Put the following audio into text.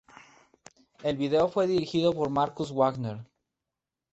El video fue dirigido por Marcus Wagner.